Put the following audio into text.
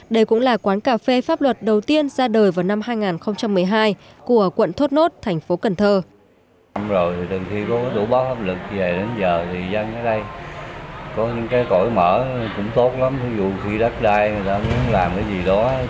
đây cũng là quán cà phê pháp luật đầu tiên ra đời vào năm hai nghìn một mươi hai của quận thốt nốt thành phố cần thơ